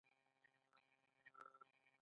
د قدومه تخم د ستوني د نرمولو لپاره وکاروئ